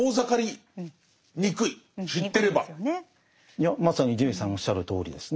いやまさに伊集院さんのおっしゃるとおりですね。